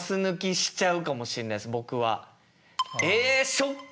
僕は。